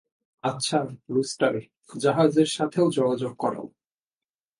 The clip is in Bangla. আচ্ছা, রুস্টার, জাহাজের সাথে যোগাযোগ করাও।